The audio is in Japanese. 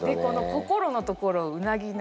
「心」のところうなぎの。